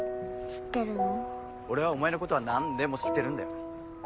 俺はお前のことは何でも知ってるんだよ。